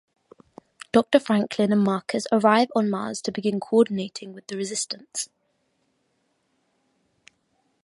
Doctor Franklin and Marcus arrive on Mars to begin coordinating with the resistance.